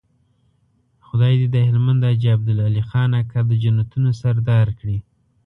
خدای دې د هلمند حاجي عبدالعلي خان اکا د جنتونو سردار کړي.